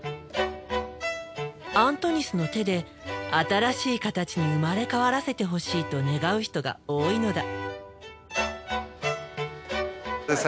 アントニスの手で新しい形に生まれ変わらせてほしいと願う人が多いのだ。